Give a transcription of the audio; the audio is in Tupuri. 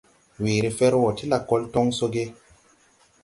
Weere fer wo ti lakol toŋ so ge?